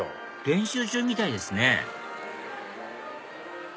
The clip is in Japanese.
練習中みたいですね